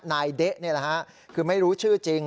เด๊ะนี่แหละฮะคือไม่รู้ชื่อจริง